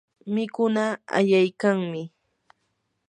mikunaa ayaykanmi.